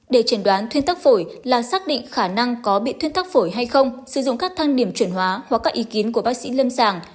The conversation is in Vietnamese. để chuẩn đoán thuyê tắc phổi là xác định khả năng có bị thuyên tắc phổi hay không sử dụng các thang điểm chuyển hóa hoặc các ý kiến của bác sĩ lâm sàng